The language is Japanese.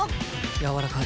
やわらかい。